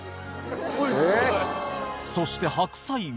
そして白菜は？